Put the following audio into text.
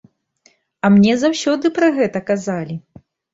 А мне заўсёды пра гэта казалі!